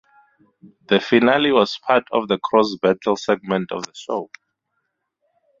The Finale was part of the Cross Battle segment of the show.